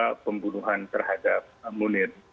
dan juga pembunuhan terhadap munir